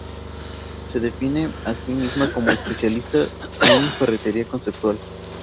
Se define a así misma como "Especialista en ferretería conceptual".